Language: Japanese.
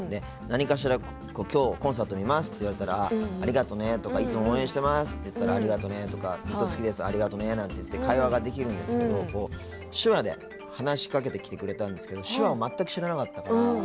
何かしら、今日コンサート見ますとか言われたら「ありがとうね」とか。「いつも応援してます」とか言われたら「ありがとう！」とかずっと好きです、ありがとね！なんて会話ができるんですけど手話で話しかけてくれたけど手話、全く知らなかったから。